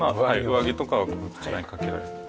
上着とかはこちらに掛けられる。